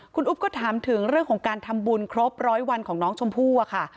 คุณอุ๊บก็ถามถึงเรื่องของการทำบุญครบร้อยวันของน้องชมพู่อะค่ะ